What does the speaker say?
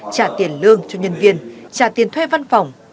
trả tiền lương cho nhân viên trả tiền thuê văn phòng